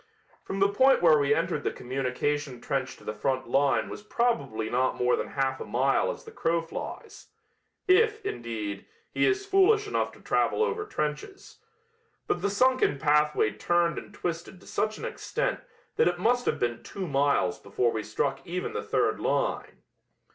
From the point where we entered the communication trench to the front line was probably not more than half a mile as the crow flies if, indeed, he is foolish enough to travel over trenches but the sunken pathway turned and twisted to such an extent that it must have been two miles before we struck even the third line.